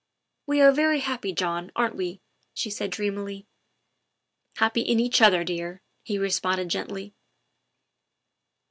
" We are very happy, John, aren't we?" she said dreamily. " Happy in each other, dear," he responded gently.